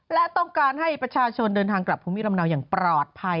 และต้องการให้ประชาชนเดินทางกลับภูมิลำเนาอย่างปลอดภัย